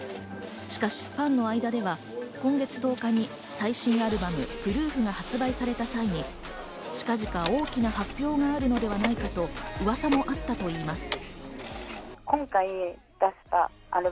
しかし、ファンの間では今月１０日に最新アルバム『Ｐｒｏｏｆ』が発売された際に近々大きな発表があるのではないかと、うわさもあったといいます。